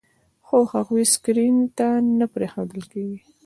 خو هغوی سکرین ته نه پرېښودل کېږي.